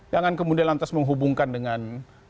jangan kemudian lantas menghubungkan dengan